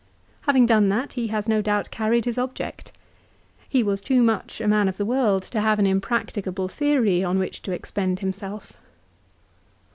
Having done that he has no doubt carried his object. He was too much a man of the world to have an impracticable theory on which to expend himself.